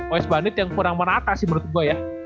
oice bandit yang kurang merata sih menurut gue ya